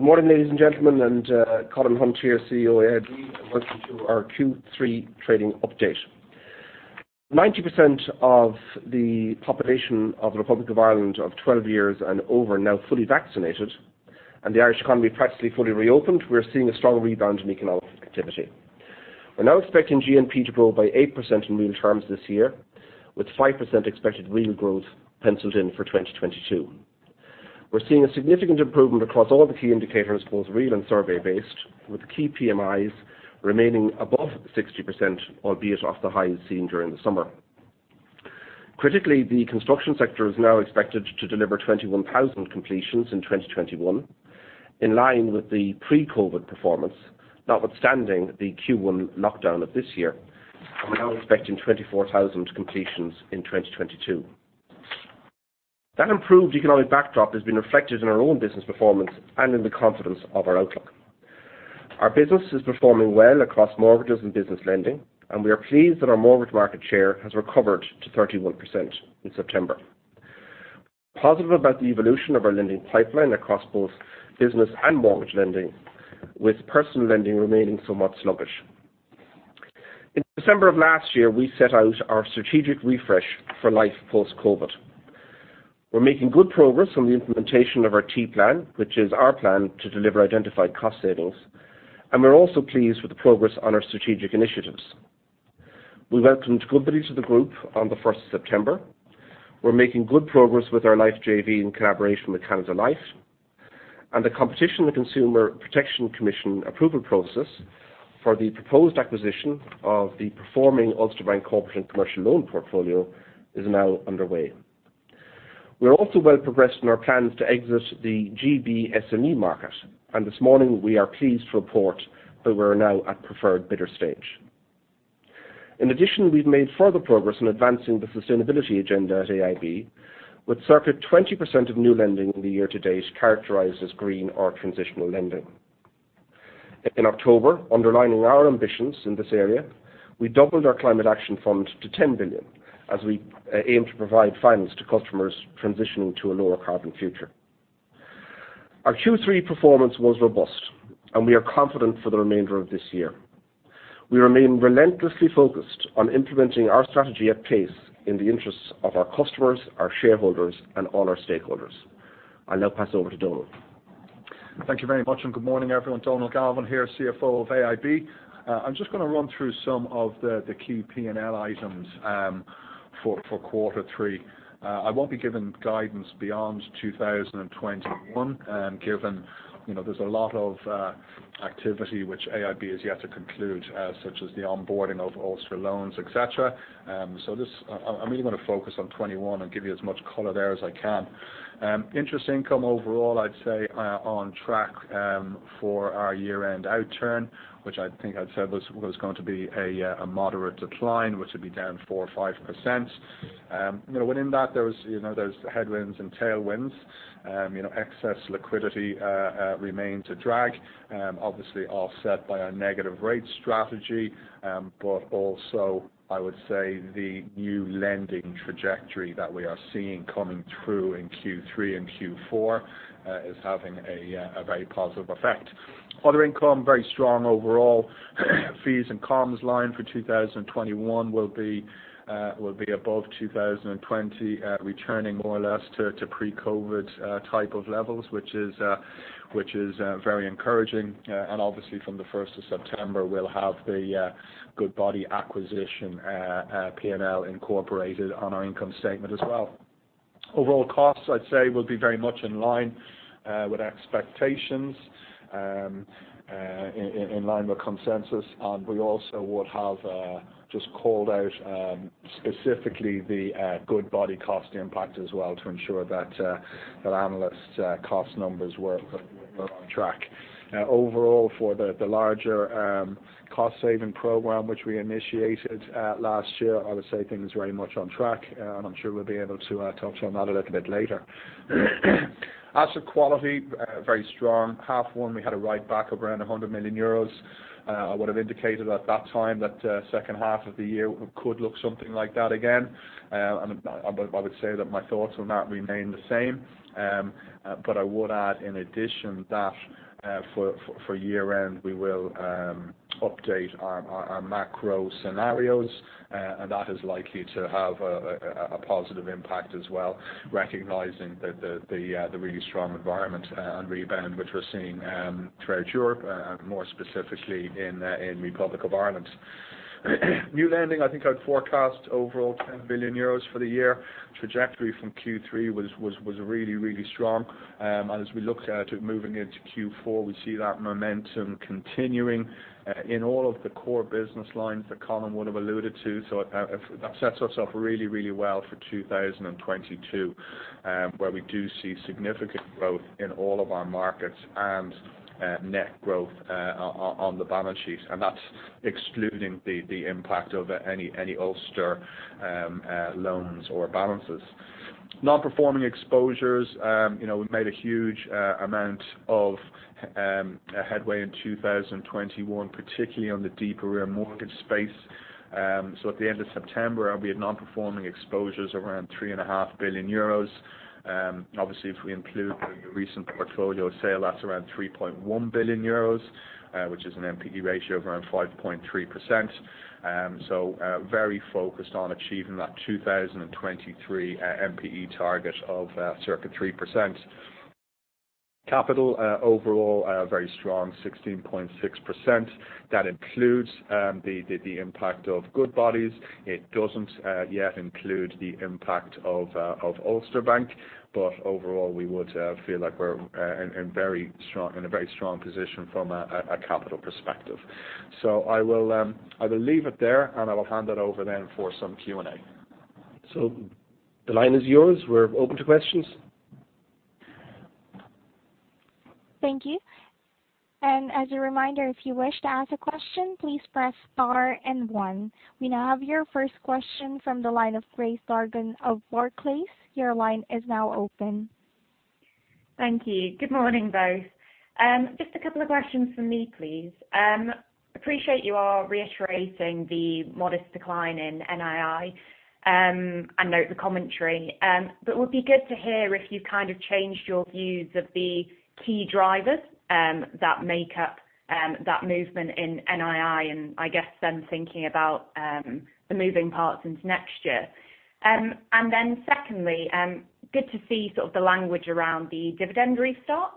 Morning, ladies and gentlemen, and, Colin Hunt here, CEO, AIB. Welcome to our Q3 Trading Update. 90% of the population of the Republic of Ireland of 12 years and over are now fully vaccinated, and the Irish economy practically fully reopened. We're seeing a strong rebound in economic activity. We're now expecting GNP to grow by 8% in real terms this year, with 5% expected real growth penciled in for 2022. We're seeing a significant improvement across all the key indicators, both real and survey-based, with key PMIs remaining above 60%, albeit off the highs seen during the summer. Critically, the construction sector is now expected to deliver 21,000 completions in 2021, in line with the pre-COVID performance, notwithstanding the Q1 lockdown of this year. We're now expecting 24,000 completions in 2022. That improved economic backdrop has been reflected in our own business performance and in the confidence of our outlook. Our business is performing well across mortgages and business lending, and we are pleased that our mortgage market share has recovered to 31% in September. We're positive about the evolution of our lending pipeline across both business and mortgage lending, with personal lending remaining somewhat sluggish. In December of last year, we set out our strategic refresh for life post-COVID. We're making good progress on the implementation of our T&E plan, which is our plan to deliver identified cost savings, and we're also pleased with the progress on our strategic initiatives. We welcomed Goodbody to the group on the first of September. We're making good progress with our life JV in collaboration with Canada Life. The Competition and Consumer Protection Commission approval process for the proposed acquisition of the performing Ulster Bank corporate and commercial loan portfolio is now underway. We are also well progressed in our plans to exit the GB SME market, and this morning we are pleased to report that we're now at preferred bidder stage. In addition, we've made further progress in advancing the sustainability agenda at AIB, with circa 20% of new lending in the year to date characterized as green or transitional lending. In October, underlining our ambitions in this area, we doubled our Climate Action Fund to 10 billion, as we aim to provide finance to customers transitioning to a lower carbon future. Our Q3 performance was robust, and we are confident for the remainder of this year. We remain relentlessly focused on implementing our strategy at pace in the interests of our customers, our shareholders, and all our stakeholders. I'll now pass over to Donal. Thank you very much and good morning, everyone. Donal Galvin here, CFO of AIB. I'm just gonna run through some of the key P&L items for quarter three. I won't be giving guidance beyond 2021, given you know there's a lot of activity which AIB has yet to conclude, such as the onboarding of Ulster loans, et cetera. I'm really gonna focus on 2021 and give you as much color there as I can. Interest income overall, I'd say, on track for our year-end outturn, which I think I'd said was going to be a moderate decline, which would be down 4%-5%. You know, within that there was, you know, there's headwinds and tailwinds, excess liquidity remained a drag, obviously offset by our negative rate strategy. Also, I would say the new lending trajectory that we are seeing coming through in Q3 and Q4 is having a very positive effect. Other income, very strong overall. Fees and comms line for 2021 will be above 2020, returning more or less to pre-COVID type of levels, which is very encouraging. Obviously from the first of September we'll have the Goodbody acquisition, P&L incorporated on our income statement as well. Overall costs, I'd say, will be very much in line with expectations, in line with consensus, and we also would have just called out specifically the Goodbody cost impact as well to ensure that analysts' cost numbers were on track. Overall for the larger cost saving program which we initiated last year, I would say things are very much on track, and I'm sure we'll be able to talk to them about a little bit later. Asset quality very strong. H1, we had a write back of around 100 million euros. I would've indicated at that time that second half of the year could look something like that again. I would say that my thoughts on that remain the same. I would add in addition that for year-end we will update our macro scenarios and that is likely to have a positive impact as well, recognizing the really strong environment and rebound which we're seeing throughout Europe, more specifically in Republic of Ireland. New lending, I think I'd forecast overall 10 billion euros for the year. Trajectory from Q3 was really strong. As we look out at moving into Q4, we see that momentum continuing in all of the core business lines that Colin would've alluded to. That sets us up really, really well for 2022, where we do see significant growth in all of our markets and net growth on the balance sheet, and that's excluding the impact of any Ulster loans or balances. Non-performing exposures. You know, we've made a huge amount of headway in 2021, particularly on the deeper arrears mortgage space. So at the end of September, we had non-performing exposures around 3.5 billion euros. Obviously, if we include the recent portfolio sale, that's around 3.1 billion euros, which is an NPE ratio of around 5.3%. Very focused on achieving that 2023 NPE target of circa 3%. Capital, overall, very strong, 16.6%. That includes the impact of Goodbody. It doesn't yet include the impact of Ulster Bank, but overall, we would feel like we're in a very strong position from a capital perspective. I will leave it there, and I will hand it over then for some Q&A. The line is yours. We're open to questions. Thank you. As a reminder, if you wish to ask a question, please press star and one. We now have your first question from the line of Grace Dargan of Barclays. Your line is now open. Thank you. Good morning, both. Just a couple of questions from me, please. I appreciate you are reiterating the modest decline in NII, and note the commentary. It would be good to hear if you've kind of changed your views of the key drivers that make up that movement in NII, and I guess then thinking about the moving parts into next year. Secondly, good to see sort of the language around the dividend restart.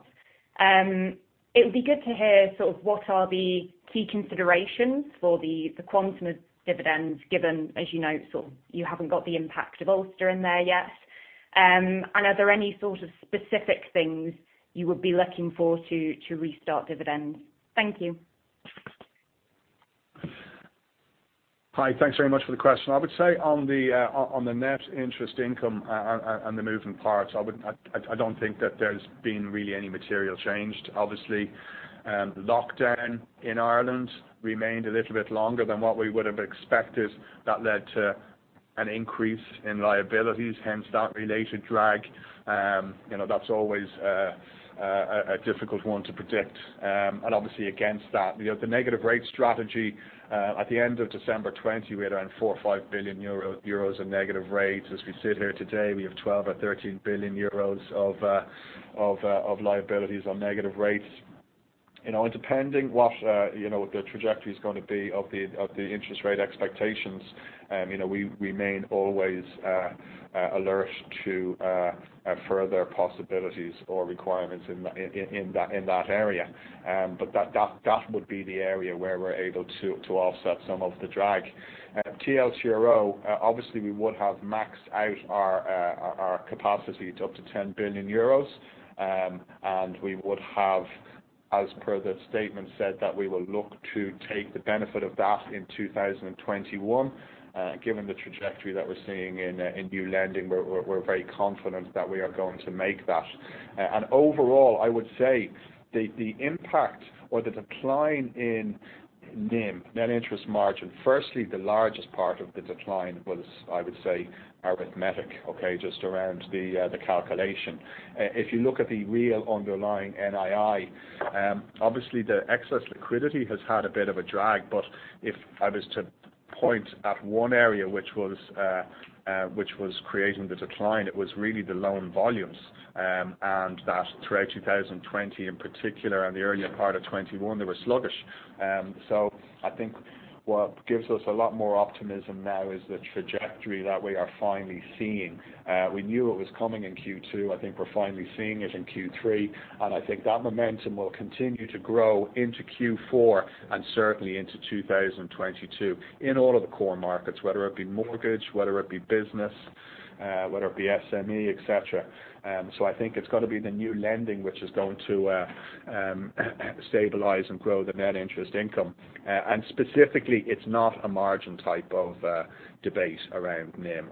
It would be good to hear sort of what are the key considerations for the quantum of dividends given, as you know, sort of you haven't got the impact of Ulster in there yet. Are there any sort of specific things you would be looking for to restart dividends? Thank you. Hi. Thanks very much for the question. I would say on the net interest income and the moving parts, I don't think that there's been really any material change. Obviously, lockdown in Ireland remained a little bit longer than what we would have expected. That led to an increase in liabilities, hence that related drag. You know, that's always a difficult one to predict. Obviously against that, you know, the negative rate strategy, at the end of December 2020, we had around 4 billion or 5 billion euro of negative rates. As we sit here today, we have 12 billion or 13 billion euros of liabilities on negative rates. You know, depending what you know, the trajectory is gonna be of the interest rate expectations, you know, we remain always alert to further possibilities or requirements in that area. That would be the area where we're able to offset some of the drag. TLTRO, obviously we would have maxed out our capacity up to 10 billion euros. We would have, as per the statement said, that we will look to take the benefit of that in 2021. Given the trajectory that we're seeing in new lending, we're very confident that we are going to make that. Overall, I would say the impact or the decline in NIM, net interest margin. Firstly, the largest part of the decline was, I would say, arithmetic, okay, just around the calculation. If you look at the real underlying NII, obviously the excess liquidity has had a bit of a drag. If I was to point at one area which was creating the decline, it was really the loan volumes, and that throughout 2020 in particular and the earlier part of 2021, they were sluggish. I think what gives us a lot more optimism now is the trajectory that we are finally seeing. We knew it was coming in Q2. I think we're finally seeing it in Q3, and I think that momentum will continue to grow into Q4 and certainly into 2022 in all of the core markets, whether it be mortgage, whether it be business, whether it be SME, et cetera. I think it's gonna be the new lending which is going to stabilize and grow the net interest income. Specifically, it's not a margin type of debate around NIM.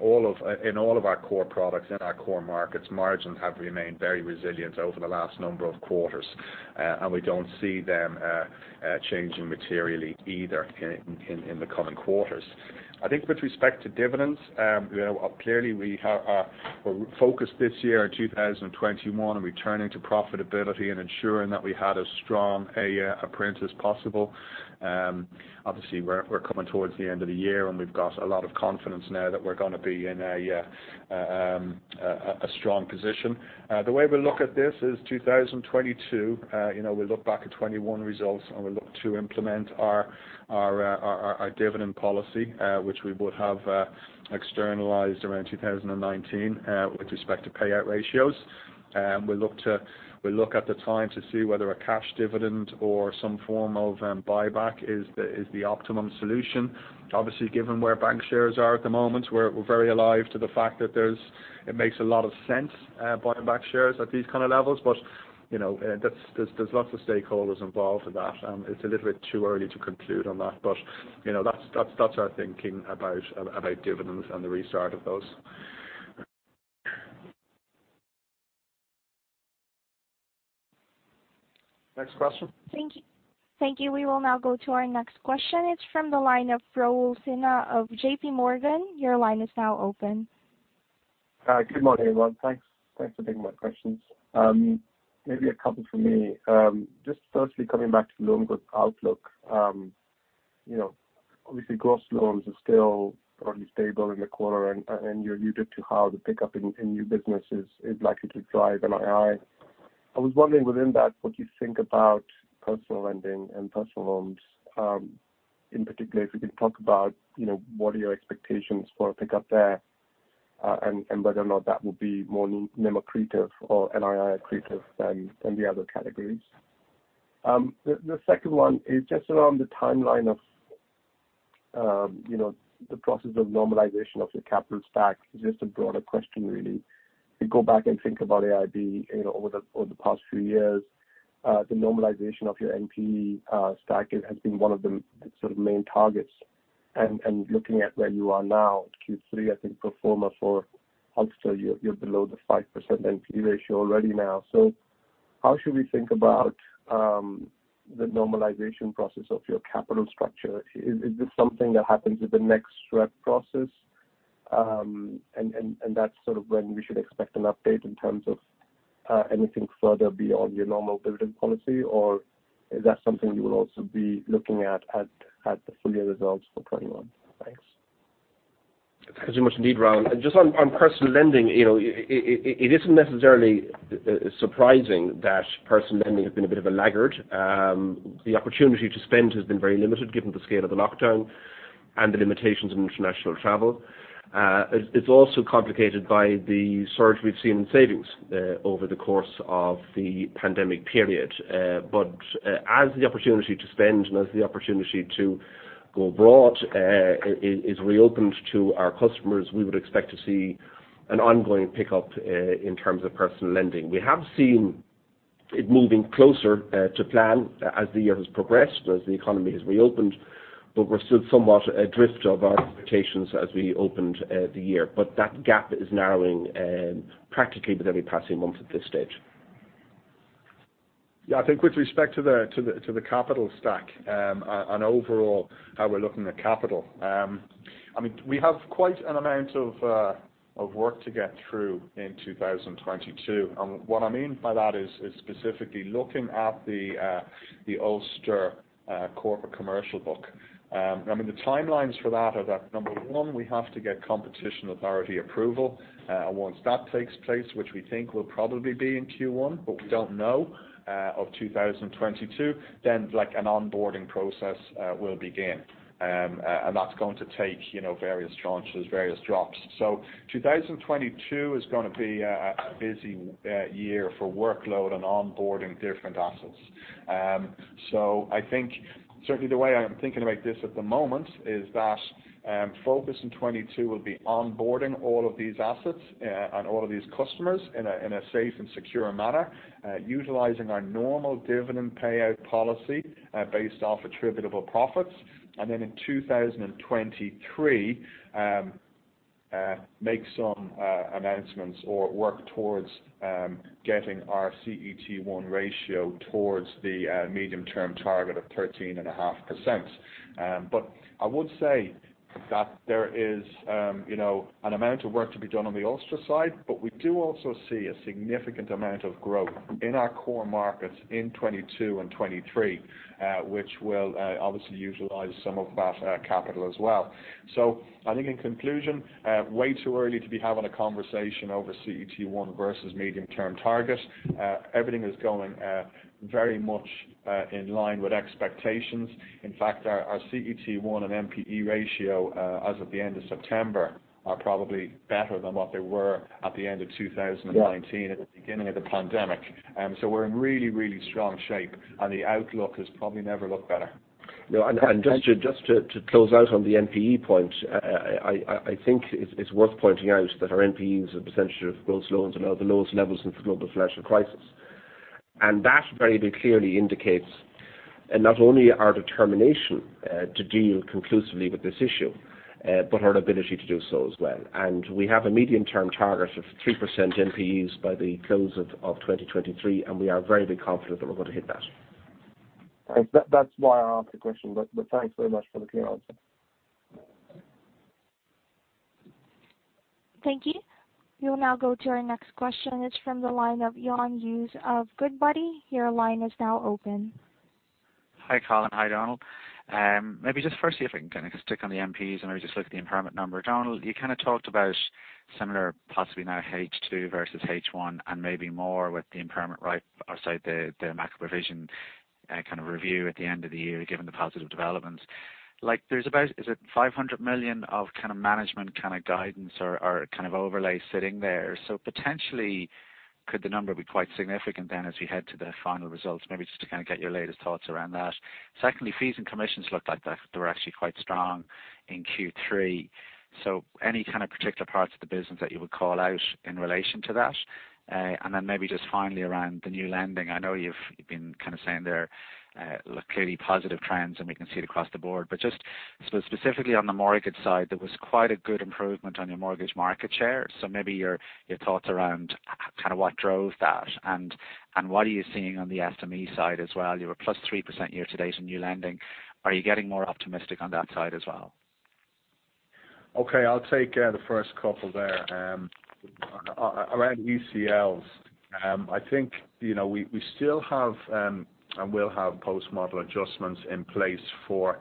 In all of our core products, in our core markets, margins have remained very resilient over the last number of quarters, and we don't see them changing materially either in the coming quarters. I think with respect to dividends, you know, clearly we're focused this year in 2021 on returning to profitability and ensuring that we had as strong a year upfront as possible. Obviously we're coming towards the end of the year, and we've got a lot of confidence now that we're gonna be in a strong position. The way we look at this is 2022, you know, we look back at 2021 results, and we look to implement our dividend policy, which we would have externalized around 2019, with respect to payout ratios. We look at the time to see whether a cash dividend or some form of buyback is the optimum solution. Obviously, given where bank shares are at the moment, we're very alive to the fact that it makes a lot of sense buying back shares at these kind of levels. You know, there's lots of stakeholders involved with that, and it's a little bit too early to conclude on that. You know, that's our thinking about dividends and the restart of those. Next question. Thank you. Thank you. We will now go to our next question. It's from the line of Raul Sinha of JPMorgan. Your line is now open. Hi, good morning, everyone. Thanks for taking my questions. Maybe a couple from me. Just firstly, coming back to loan growth outlook, you know, obviously gross loans are still probably stable in the quarter, and you alluded to how the pickup in new businesses is likely to drive NII. I was wondering within that, what you think about personal lending and personal loans, in particular, if you could talk about, you know, what are your expectations for a pickup there, and whether or not that will be more NIM accretive or NII accretive than the other categories. The second one is just around the timeline of, you know, the process of normalization of the capital stack, just a broader question really. You go back and think about AIB, you know, over the past few years, the normalization of your NPE stack it has been one of the sort of main targets. Looking at where you are now at Q3, I think pro forma for Ulster, you're below the 5% NPE ratio already now. How should we think about the normalization process of your capital structure? Is this something that happens at the next rep process? That's sort of when we should expect an update in terms of anything further beyond your normal dividend policy? Or is that something you will also be looking at at the full year results for 2021? Thanks. Thank you very much indeed, Raul. Just on personal lending, you know, it isn't necessarily surprising that personal lending has been a bit of a laggard. The opportunity to spend has been very limited given the scale of the lockdown and the limitations on international travel. It's also complicated by the surge we've seen in savings over the course of the pandemic period. As the opportunity to spend and as the opportunity to go abroad is reopened to our customers, we would expect to see an ongoing pickup in terms of personal lending. We have seen it moving closer to plan as the year has progressed and as the economy has reopened, but we're still somewhat adrift of our expectations as we opened the year. That gap is narrowing, practically with every passing month at this stage. Yeah, I think with respect to the capital stack, on overall how we're looking at capital, I mean, we have quite an amount of work to get through in 2022. What I mean by that is specifically looking at the Ulster Bank corporate and commercial book. I mean, the timelines for that are that number one, we have to get competition authority approval. And once that takes place, which we think will probably be in Q1, but we don't know, of 2022, then like an onboarding process will begin. And that's going to take, you know, various tranches, various drops. 2022 is gonna be a busy year for workload and onboarding different assets. I think certainly the way I'm thinking about this at the moment is that focus in 2022 will be onboarding all of these assets and all of these customers in a safe and secure manner, utilizing our normal dividend payout policy based off attributable profits. Then in 2023, make some announcements or work towards getting our CET1 ratio towards the medium-term target of 13.5%. I would say that there is, you know, an amount of work to be done on the Ulster side, but we do also see a significant amount of growth in our core markets in 2022 and 2023, which will obviously utilize some of that capital as well. I think in conclusion, way too early to be having a conversation over CET1 versus medium-term target. Everything is going very much in line with expectations. In fact, our CET1 and NPE ratio as of the end of September are probably better than what they were at the end of 2019. Yeah. At the beginning of the pandemic. We're in really, really strong shape, and the outlook has probably never looked better. No, just to close out on the NPE point, I think it's worth pointing out that our NPE as a percentage of gross loans are now at the lowest levels since the Global Financial Crisis. That very clearly indicates not only our determination to deal conclusively with this issue, but our ability to do so as well. We have a medium-term target of 3% NPEs by the close of 2023, and we are very confident that we're going to hit that. That, that's why I asked the question, but thanks very much for the clear answer. Thank you. We will now go to our next question. It's from the line of Eamonn Hughes of Goodbody. Your line is now open. Hi, Colin. Hi, Donal. Maybe just firstly, if I can kind of stick on the NPEs and maybe just look at the impairment number. Donal, you kind of talked about similar possibly now H2 versus H1 and maybe more with the impairment right outside the macro provision kind of review at the end of the year, given the positive developments. Like there's about, is it 500 million of kind of management kind of guidance or kind of overlay sitting there? So potentially, could the number be quite significant then as we head to the final results? Maybe just to kind of get your latest thoughts around that. Secondly, fees and commissions looked like they were actually quite strong in Q3. So any kind of particular parts of the business that you would call out in relation to that? Maybe just finally around the new lending. I know you've been kind of saying there, look clearly positive trends, and we can see it across the board. Just specifically on the mortgage side, there was quite a good improvement on your mortgage market share. Maybe your thoughts around kind of what drove that, and what are you seeing on the SME side as well? You were plus 3% year to date in new lending. Are you getting more optimistic on that side as well? Okay, I'll take the first couple there. Around ECLs, I think, you know, we still have and will have post-model adjustments in place for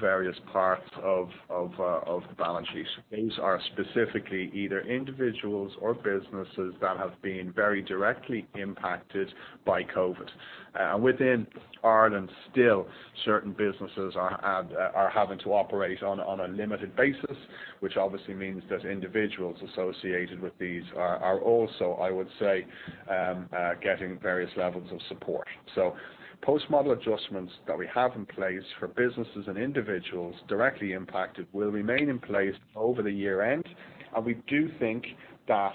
various parts of the balance sheet. These are specifically either individuals or businesses that have been very directly impacted by COVID. Within Ireland, still, certain businesses are having to operate on a limited basis, which obviously means that individuals associated with these are also, I would say, getting various levels of support. Post-model adjustments that we have in place for businesses and individuals directly impacted will remain in place over the year-end, and we do think that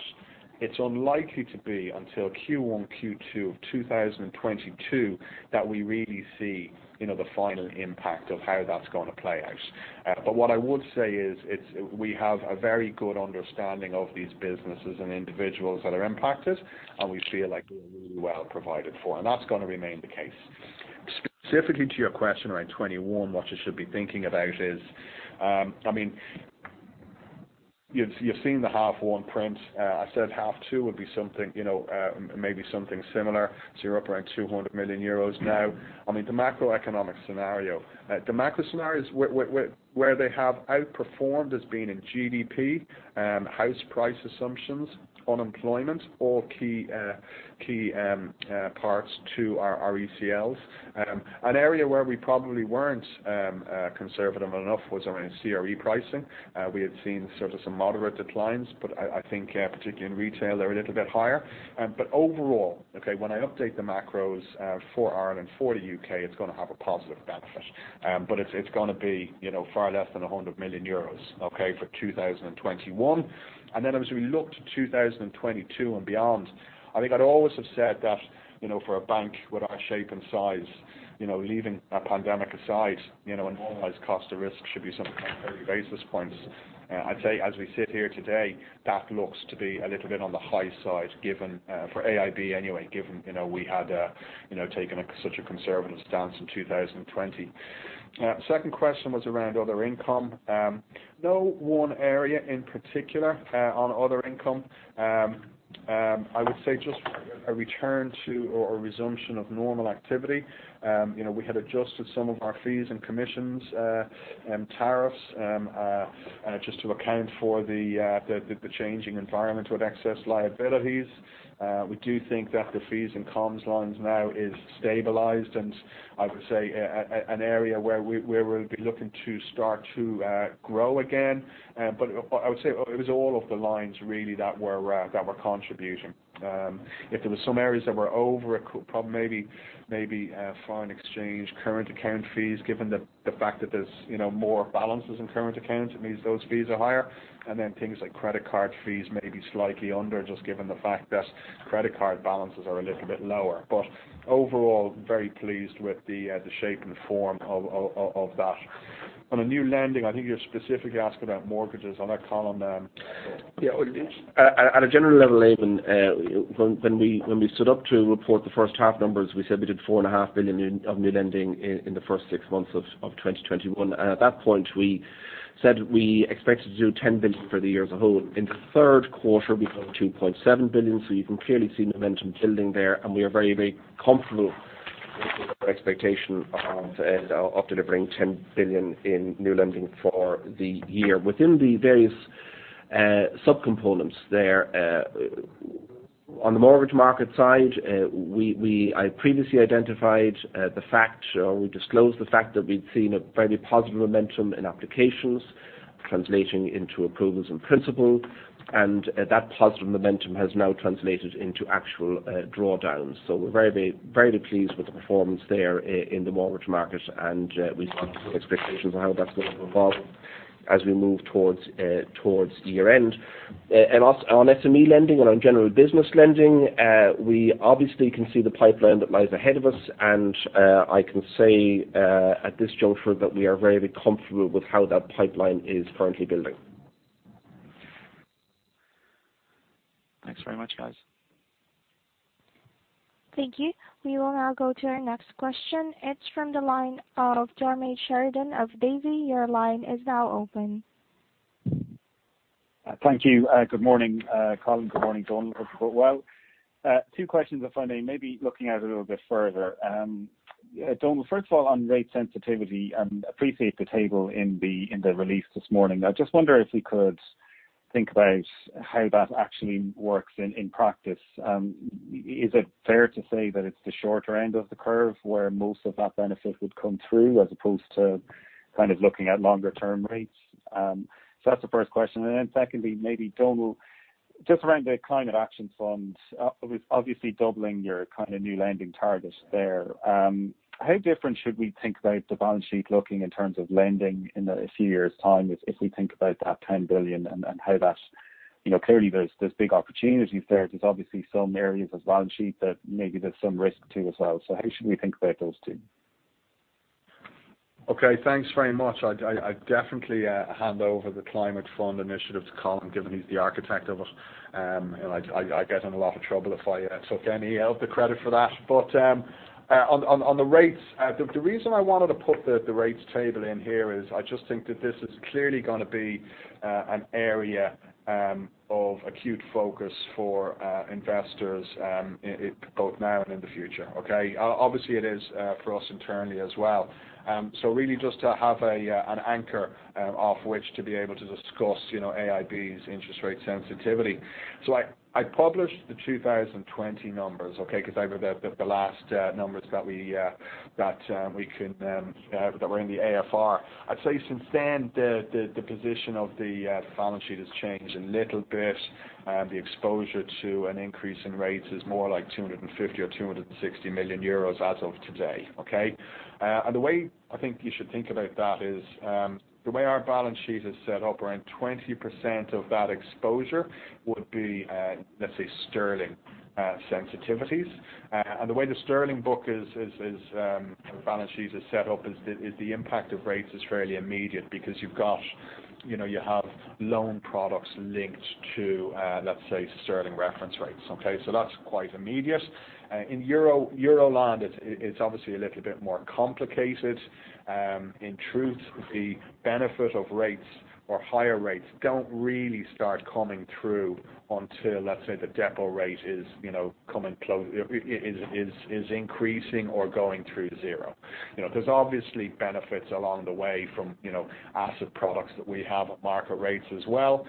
it's unlikely to be until Q1, Q2 of 2022 that we really see, you know, the final impact of how that's going to play out. What I would say is it's we have a very good understanding of these businesses and individuals that are impacted, and we feel like they're really well provided for. That's gonna remain the case. Specifically to your question around 21, what you should be thinking about is, I mean, you've seen the H1 print. I said H2 would be something, you know, maybe something similar. You're up around 200 million euros now. I mean, the macroeconomic scenario, the macro scenario is where they have outperformed as being in GDP, house price assumptions, unemployment, all key parts to our ECLs. An area where we probably weren't conservative enough was around CRE pricing. We had seen sort of some moderate declines, but I think, particularly in retail, they're a little bit higher. But overall, okay, when I update the macros, for Ireland, for the U.K., it's gonna have a positive benefit. But it's gonna be, you know, far less than 100 million euros, okay, for 2021. As we look to 2022 and beyond, I think I'd always have said that, you know, for a bank with our shape and size, you know, leaving a pandemic aside, you know, a normalized cost of risk should be something like 30 basis points. I'd say, as we sit here today, that looks to be a little bit on the high side, given for AIB anyway, you know, we had taken such a conservative stance in 2020. Second question was around other income. No one area in particular on other income. I would say just a return to or resumption of normal activity. You know, we had adjusted some of our fees and commissions, tariffs, just to account for the changing environment with excess liabilities. We do think that the fees and comms lines now is stabilized, and I would say an area where we'll be looking to start to grow again. I would say it was all of the lines really that were contributing. If there were some areas that were over, it could probably maybe foreign exchange, current account fees, given the fact that there's, you know, more balances in current accounts, it means those fees are higher. Then things like credit card fees may be slightly under, just given the fact that credit card balances are a little bit lower. Overall, very pleased with the shape and form of that. On the new lending, I think you specifically asked about mortgages. I'll let Colin in. Yeah, well, at a general level, Eamon, when we stood up to report the first half numbers, we said we did four and a half billion of new lending in the first six months of 2021. At that point, we said we expected to do 10 billion for the year as a whole. In the third quarter, we did 2.7 billion, so you can clearly see momentum building there. We are very, very comfortable with our expectation of delivering 10 billion in new lending for the year. Within the various subcomponents there on the mortgage market side, I previously identified the fact, or we disclosed the fact that we'd seen a very positive momentum in applications translating into approvals in principle, and that positive momentum has now translated into actual drawdowns. We're very pleased with the performance there in the mortgage market, and we see expectations on how that's going to evolve as we move towards year-end. Also on SME lending and on general business lending, we obviously can see the pipeline that lies ahead of us, and I can say at this juncture that we are very comfortable with how that pipeline is currently building. Thanks very much, guys. Thank you. We will now go to our next question. It's from the line of Diarmaid Sheridan of Davy. Your line is now open. Thank you. Good morning, Colin. Good morning, Donal. First of all, two questions, if I may, maybe looking out a little bit further. Donal, first of all, on rate sensitivity, I appreciate the table in the release this morning. I just wonder if we could think about how that actually works in practice. Is it fair to say that it's the shorter end of the curve where most of that benefit would come through, as opposed to kind of looking at longer-term rates? That's the first question. Secondly, maybe Donal, just around the Climate Action Fund, with obviously doubling your kind of new lending targets there, how different should we think about the balance sheet looking in terms of lending in a few years' time if we think about that 10 billion and how that. You know, clearly there's big opportunities there. There's obviously some areas of balance sheet that maybe there's some risk to as well. How should we think about those two? Okay, thanks very much. I'd definitely hand over the Climate Fund Initiative to Colin, given he's the architect of it. I get in a lot of trouble if I took any of the credit for that. On the rates, the reason I wanted to put the rates table in here is I just think that this is clearly gonna be an area of acute focus for investors both now and in the future. Okay? Obviously, it is for us internally as well. Really just to have an anchor of which to be able to discuss, you know, AIB's interest rate sensitivity. I published the 2020 numbers, okay? Because they were the last numbers that were in the AFR. I'd say since then, the position of the balance sheet has changed a little bit, the exposure to an increase in rates is more like 250 million or 260 million euros as of today. Okay. The way I think you should think about that is, the way our balance sheet is set up, around 20% of that exposure would be, let's say Sterling, sensitivities. The way the Sterling book is, the balance sheet is set up, the impact of rates is fairly immediate because you've got, you know, you have loan products linked to, let's say Sterling reference rates. Okay. That's quite immediate. In Euro-Euro land, it's obviously a little bit more complicated. In truth, the benefit of rates or higher rates don't really start coming through until, let's say, the depo rate is, you know, increasing or going through zero. You know, there's obviously benefits along the way from, you know, asset products that we have at market rates as well.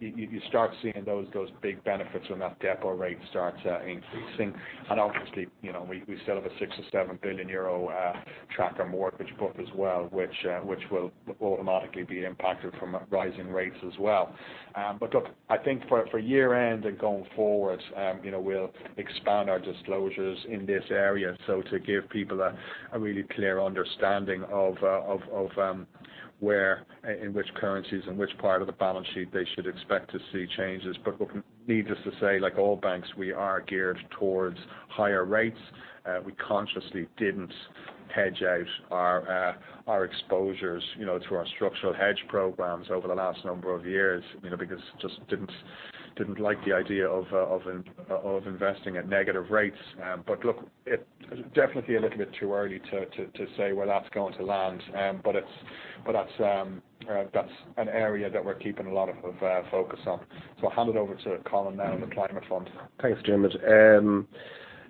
You start seeing those big benefits when that depo rate starts increasing. You know, we still have a 6 billion-7 billion euro tracker mortgage book as well, which will automatically be impacted from rising rates as well. Look, I think for year-end and going forward, you know, we'll expand our disclosures in this area. To give people a really clear understanding of where in which currencies and which part of the balance sheet they should expect to see changes. Needless to say, like all banks, we are geared towards higher rates. We consciously didn't hedge out our exposures, you know, through our structural hedge programs over the last number of years, you know, because just didn't like the idea of investing at negative rates. Look, it's definitely a little bit too early to say where that's going to land. That's an area that we're keeping a lot of focus on. I'll hand it over to Colin now on the climate front. Thanks, Donal.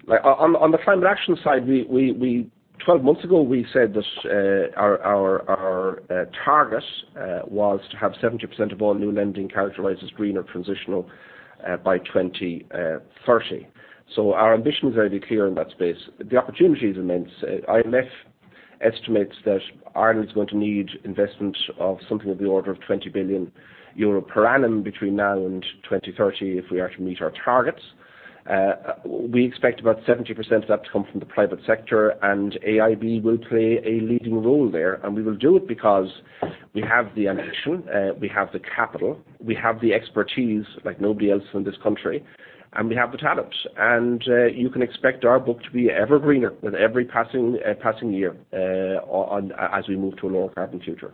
On the Climate Action Side, 12 months ago, we said that our target was to have 70% of all new lending characterized as green or transitional by 2030. Our ambition is very clear in that space. The opportunity is immense. IMF estimates that Ireland is going to need investment of something in the order of 20 billion euro per annum between now and 2030, if we are to meet our targets. We expect about 70% of that to come from the private sector, and AIB will play a leading role there. We will do it because we have the ambition, we have the capital, we have the expertise like nobody else in this country, and we have the talents. You can expect our book to be ever greener with every passing year as we move to a lower carbon future.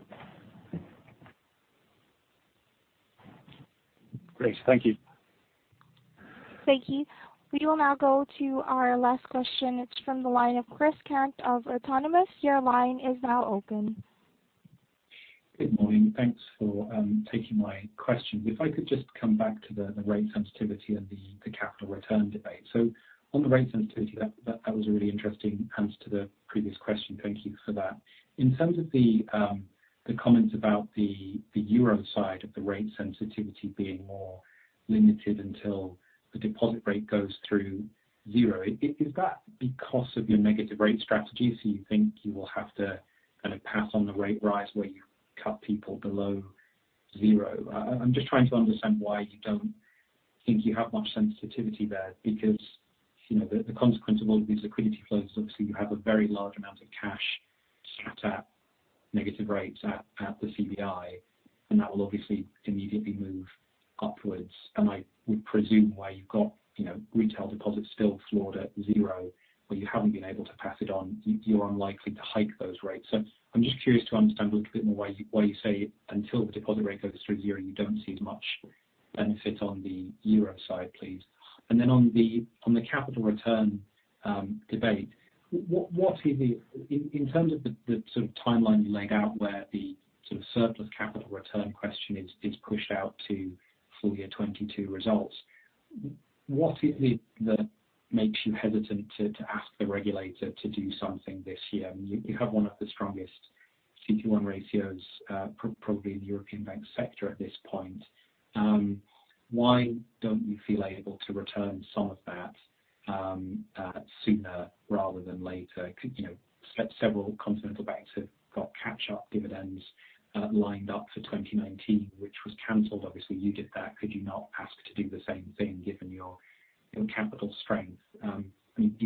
Great. Thank you. Thank you. We will now go to our last question. It's from the line of Christopher Cant of Autonomous Research. Your line is now open. Good morning. Thanks for taking my question. If I could just come back to the rate sensitivity and the capital return debate. On the rate sensitivity, that was a really interesting answer to the previous question. Thank you for that. In terms of the comments about the Euro side of the rate sensitivity being more limited until the deposit rate goes through zero, is that because of your negative rate strategy? You think you will have to kind of pass on the rate rise where you cut people below zero. I'm just trying to understand why you don't think you have much sensitivity there, because, you know, the consequence of all of these liquidity flows is obviously you have a very large amount of cash sat at negative rates at the CBI, and that will obviously immediately move upwards. I would presume why you've got, you know, retail deposits still floored at zero, but you haven't been able to pass it on, you're unlikely to hike those rates. I'm just curious to understand a little bit more why you say until the deposit rate goes through zero, you don't see much benefit on the euro side, please. On the capital return debate, what is it in terms of the timeline you laid out where the surplus capital return question is pushed out to Full Year 2022 Results, what is it that makes you hesitant to ask the regulator to do something this year? You have one of the strongest CET1 ratios, probably in the European bank sector at this point. Why don't you feel able to return some of that sooner rather than later? You know, several continental banks have got catch-up dividends lined up for 2019, which was canceled. Obviously, you did that. Could you not ask to do the same thing given your capital strength? Do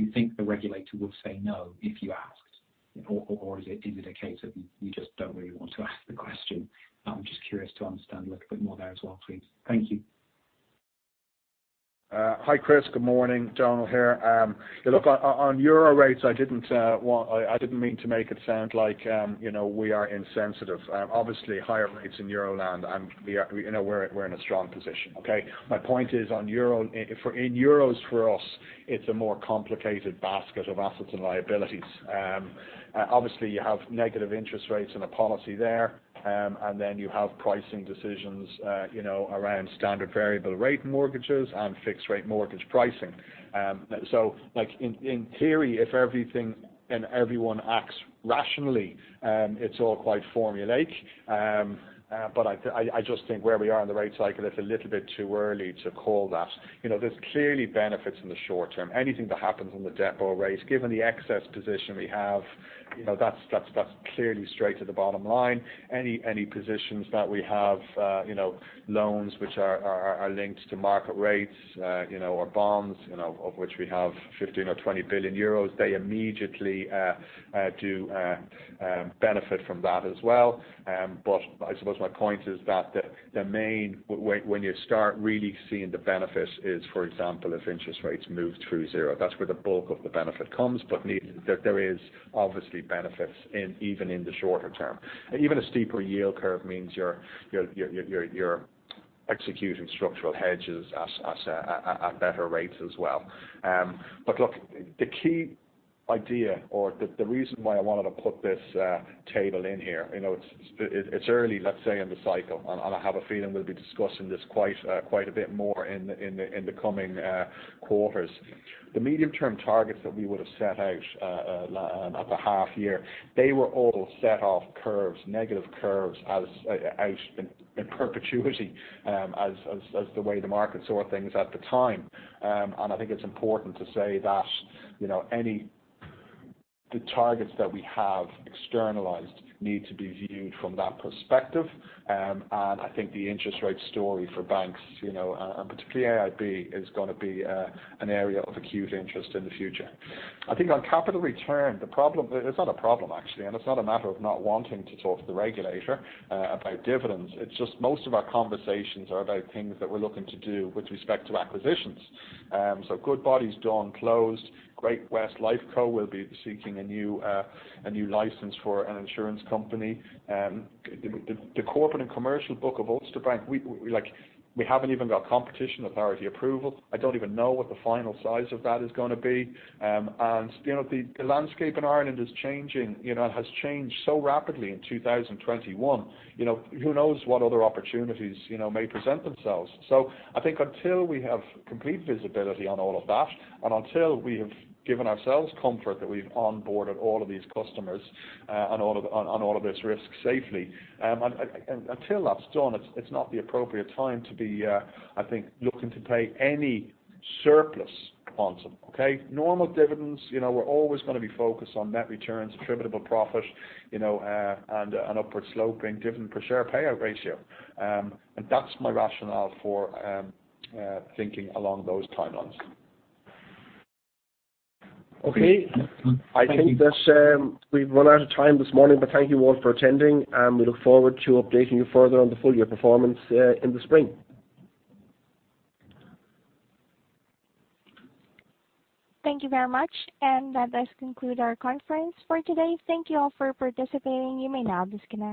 you think the regulator will say no if you asked? Or is it a case that you just don't really want to ask the question? I'm just curious to understand a little bit more there as well, please. Thank you. Hi, Chris. Good morning. Donal here. On euro rates, I didn't mean to make it sound like you know, we are insensitive. Obviously, higher rates in Euroland, and you know, we're in a strong position, okay? My point is, in euros for us, it's a more complicated basket of assets and liabilities. Obviously, you have negative interest rates in a policy there, and then you have pricing decisions you know, around standard variable rate mortgages and fixed rate mortgage pricing. Like, in theory, if everything and everyone acts rationally, it's all quite formulaic. I just think where we are in the rate cycle, it's a little bit too early to call that. You know, there's clearly benefits in the short term. Anything that happens in the depo rates, given the excess position we have, you know, that's clearly straight to the bottom line. Any positions that we have, you know, loans which are linked to market rates, you know, or bonds, you know, of which we have 15 billion or 20 billion euros, they immediately benefit from that as well. I suppose my point is that the main way, when you start really seeing the benefits is, for example, if interest rates move through zero. That's where the bulk of the benefit comes, but there is obviously benefits even in the shorter term. Even a steeper yield curve means you're executing structural hedges at better rates as well. Look, the key idea or the reason why I wanted to put this table in here, you know, it's early, let's say, in the cycle, and I have a feeling we'll be discussing this quite a bit more in the coming quarters. The medium-term targets that we would have set out at the half year, they were all set off curves, negative curves, as out in perpetuity, as the way the markets saw things at the time. I think it's important to say that, you know, the targets that we have externalized need to be viewed from that perspective. I think the interest rate story for banks, you know, and particularly AIB, is gonna be an area of acute interest in the future. I think on capital return, it's not a problem, actually, and it's not a matter of not wanting to talk to the regulator about dividends. It's just most of our conversations are about things that we're looking to do with respect to acquisitions. So Goodbody is done, closed. Great-West Lifeco will be seeking a new license for an insurance company. The corporate and commercial book of Ulster Bank, we like. We haven't even got competition authority approval. I don't even know what the final size of that is gonna be. And, you know, the landscape in Ireland is changing, you know, has changed so rapidly in 2021, you know. Who knows what other opportunities, you know, may present themselves. I think until we have complete visibility on all of that, and until we have given ourselves comfort that we've onboarded all of these customers, and all of this risk safely, until that's done, it's not the appropriate time to be, I think, looking to pay any surplus on them, okay? Normal dividends, you know, we're always gonna be focused on net returns, attributable profit, you know, and an upward-sloping dividend per share payout ratio. That's my rationale for thinking along those timelines. Okay. I think that, we've run out of time this morning, but thank you all for attending, and we look forward to updating you further on the full year performance, in the spring. Thank you very much. That does conclude our conference for today. Thank you all for participating. You may now disconnect.